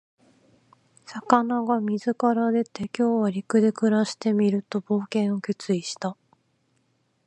魚が水から出て、「今日は陸で暮らしてみる」と冒険を決意した。